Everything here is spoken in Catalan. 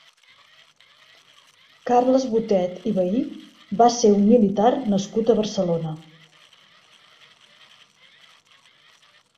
Carles Botet i Vehí va ser un militar nascut a Barcelona.